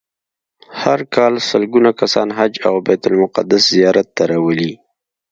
هر کال سلګونه کسان حج او بیت المقدس زیارت ته راولي.